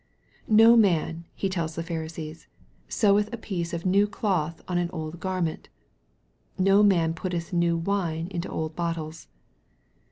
" No man," He tells the Phari sees, " seweth a piece ol new cloth on an old garment." " No man putteth new wine into old bottles."